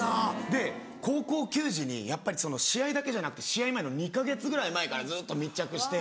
で高校球児にやっぱり試合だけじゃなくて試合前の２か月ぐらい前からずっと密着して。